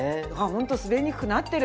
ホント滑りにくくなってる！